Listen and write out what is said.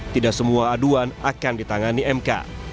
tidak semua aduan akan ditangani mk